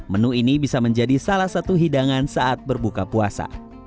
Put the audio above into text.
menu ini bisa menjadi salah satu hidangan saat berbuka puasa